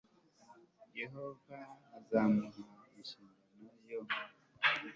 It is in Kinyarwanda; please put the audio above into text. Yehova azamuha inshingano yo